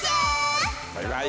バイバイ。